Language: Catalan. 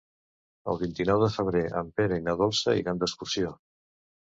El vint-i-nou de febrer en Pere i na Dolça iran d'excursió.